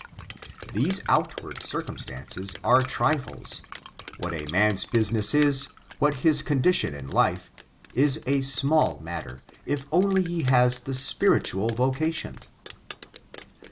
These outward circumstances are trifles. What a man's business is — ^what his condition in life, is a small matter, if only he has the spiritual vocation.